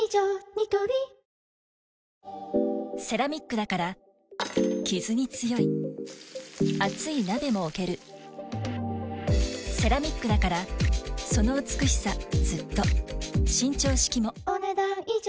ニトリセラミックだからキズに強い熱い鍋も置けるセラミックだからその美しさずっと伸長式もお、ねだん以上。